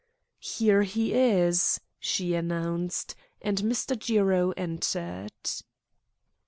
"Here he is," she announced; and Mr. Jiro entered.